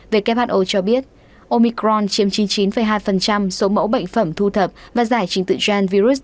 who cho biết omicron chiếm chín mươi chín hai số mẫu bệnh phẩm thu thập và giải trình tự gen virus